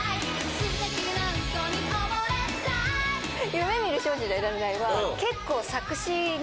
『夢見る少女じゃいられない』は結構。